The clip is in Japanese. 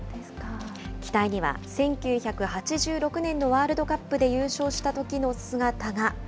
機体には１９８６年のワールドカップで優勝したときの姿が。